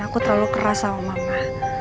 aku terlalu keras sama mama